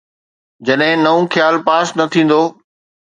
جڏهن نئون خيال پاس نه ٿيندو.